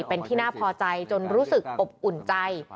เป็นที่น่าพอใจจนรู้สึกอบอุ่นใจ